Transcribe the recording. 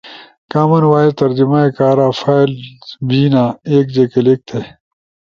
کامن وائس ترجمائی کارا فائلز بینا۔ ایک جے کلک تھے